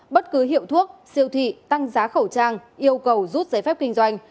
bất cứ hiệu thuốc siêu thị tăng giá khẩu trang yêu cầu rút giấy phép kinh doanh